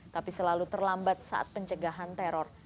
tapi selalu terlambat saat pencegahan teror